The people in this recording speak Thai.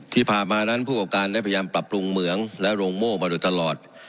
ที่ผ่านมานั้นผู้ประกอบการได้พยายามปรับปรุงเหมืองและโรงโม่มาโดยตลอด